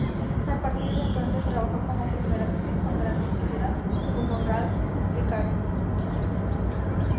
A partir de entonces trabajó como primera actriz con grandes figuras, como Ralph Richardson.